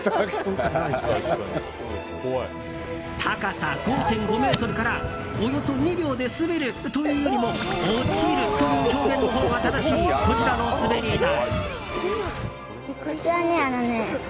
高さ５．５ｍからおよそ２秒で滑るというよりも落ちるという表現のほうが正しいこちらの滑り台。